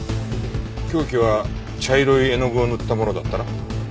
凶器は茶色い絵の具を塗ったものだったな？